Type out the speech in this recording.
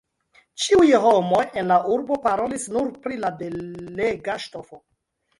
Ĉiuj homoj en la urbo parolis nur pri la belega ŝtofo.